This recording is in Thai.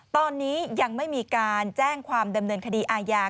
ตอนนี้ยังไม่มีการแจ้งความดำเนินคดีอาญา